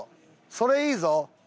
それいいぞ。